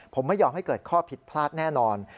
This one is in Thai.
ผมไม่ยอมให้เกิดข้อผิดพลาดแน่นอน